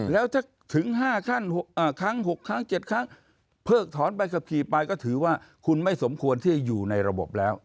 แล้วถ้าถึง๕ครั้ง๖ครั้ง๗ครั้งเพิกถอนใบขับขี่ไปก็ถือว่าคุณไม่สมควรที่จะอยู่ในระบบแล้ว